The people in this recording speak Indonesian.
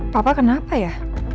papa kenapa ya